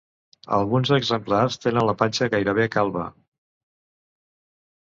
Alguns exemplars tenen la panxa gairebé calba.